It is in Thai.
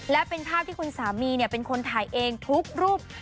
และเป็นภาพที่คุณสามีเป็นคนถ่ายเองทุกรูป